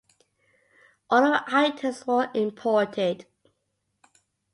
All of the items were imported.